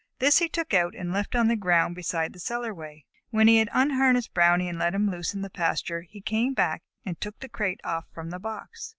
This he took out and left on the ground beside the cellarway. When he had unharnessed Brownie and let him loose in the pasture, he came back and took the crate off from the box.